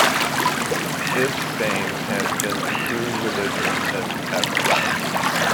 This same has been the true religion since ever.